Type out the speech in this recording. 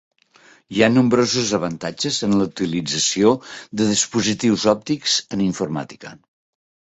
Hi ha nombrosos avantatges en la utilització de dispositius òptics en informàtica.